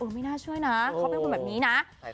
ไม่น่าเชื่อนะเขาเป็นคนแบบนี้นะ